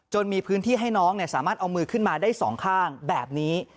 มีพื้นที่ให้น้องสามารถเอามือขึ้นมาได้สองข้างแบบนี้